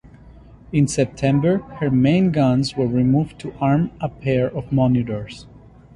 In September her main guns were removed to arm a pair of monitors.